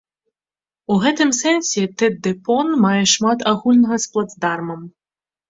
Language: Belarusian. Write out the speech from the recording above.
У гэтым сэнсе, тэт-дэ-пон мае шмат агульнага з плацдармам.